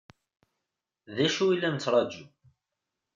D acu i la nettṛaǧu?